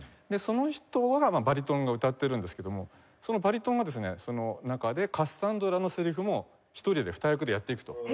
その人はバリトンが歌ってるんですけどもそのバリトンがですねその中でカッサンドラのセリフも１人で２役でやっていくと。